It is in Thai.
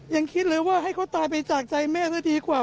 ยังคิดเลยว่าให้เขาตายไปจากใจแม่ซะดีกว่า